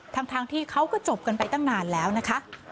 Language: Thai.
ทั้งที่เขาก็จบกันไปตั้งนานแล้วนะคะ